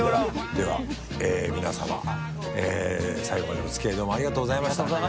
では皆さま最後までお付き合いどうもありがとうございました。